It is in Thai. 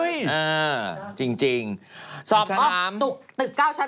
พระพุทธรูปสูงเก้าชั้นหมายความว่าสูงเก้าชั้น